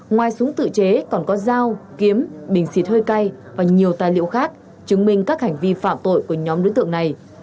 ngoài súng tự chế còn có dao kiếm bình xịt hơi cay và nhiều tài liệu khác chứng minh các hành vi phạm tội của nhóm đối tượng này